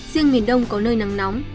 riêng miền đông có nơi nắng nóng